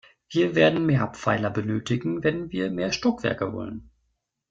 Wir werden mehr Pfeiler benötigen, wenn wir mehr Stockwerke wollen.